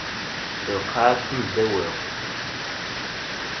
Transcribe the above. Lqaɛa attan ddaw-aw.